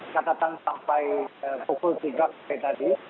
ketatan sampai pukul tiga hari tadi